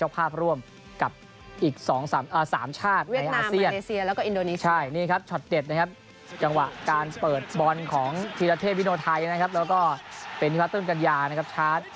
เปิดบอลของธีระเทศวินโอไทยนะครับแล้วก็เป็นฟัตเติ้ลกัญญานะครับ